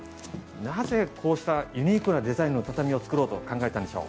なぜこうしたユニークなデザインの畳を作ろうと考えたんでしょう。